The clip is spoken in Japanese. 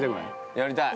◆やりたい！